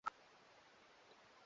Siwezi ongea na watu kama wao